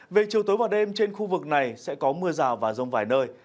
về chiều tối và đêm trên khu vực này sẽ có mưa rào và rông vài nơi